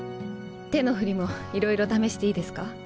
手の振りもいろいろ試していいですか？